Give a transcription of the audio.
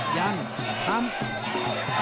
หยังหยัง